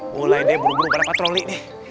mulai deh buru buru pada patroli nih